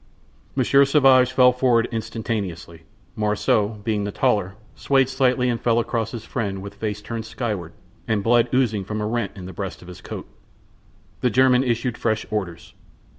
Monsieur Sauvage fell forward instantaneously. Morissot, being the taller, swayed slightly and fell across his friend with face turned skyward and blood oozing from a rent in the breast of his coat. The German issued fresh orders.